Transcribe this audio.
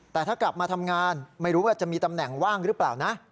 แต่ถ้ากลับมาทำงานไม่รู้ว่าจะมีตำแหน่งว่างหรือเปล่านะ